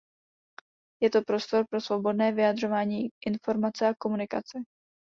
Je to prostor pro svobodné vyjadřování, informace a komunikaci.